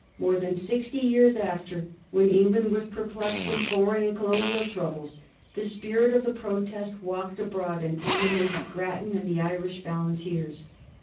More than sixty years after, when England was perplexed in foreign and colonial troubles, the spirit of the protest walked abroad and animated Grattan and the Irish Volunteers.